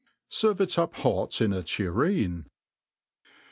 Serve it up hot in a tureen.